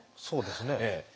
そうですね。